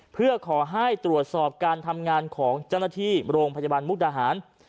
เพื่อขอให้ตรวจสอบการทำงานของเจ้าหน้าที่โรงพยาบาลมุกดาหาร